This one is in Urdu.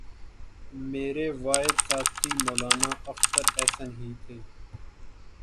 میرے واحد ساتھی مولانا اختر احسن ہی تھے